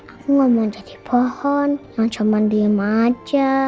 aku nggak mau jadi pohon yang cuma diem aja